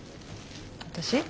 私？